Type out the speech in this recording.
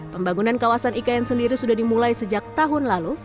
pembangunan kawasan ikn sendiri sudah dimulai sejak tahun lalu